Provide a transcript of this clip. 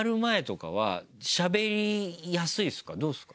どうですか？